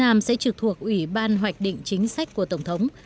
nam sẽ trực thuộc ủy ban hoạch định chính sách của tổng thống